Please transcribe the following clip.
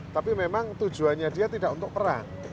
tapi memang tujuannya dia tidak untuk perang